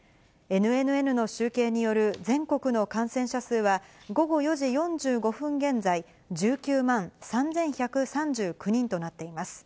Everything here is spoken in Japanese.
ＮＮＮの集計による全国の感染者数は、午後４時４５分現在、１９万３１３９人となっています。